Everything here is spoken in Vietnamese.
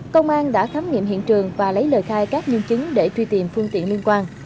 công an đã khám nghiệm hiện trường và lấy lời khai các nhân chứng để truy tìm phương tiện liên quan